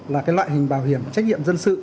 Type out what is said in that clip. là loại hình bảo hiểm trách nhiệm dân sự